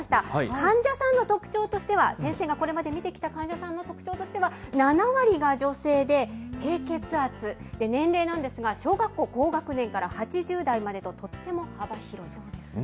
患者さんの特徴としては、先生がこれまで診てきた患者さんの特徴としては、７割が女性で、低血圧、年齢なんですが、小学校高学年から８０代までと、とっても幅広いんですね。